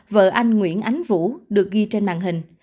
vợ anh nguyễn ánh vũ được ghi trên màn hình